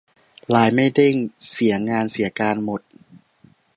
ไลน์ไม่เด้ง เสียงานเสียการหมด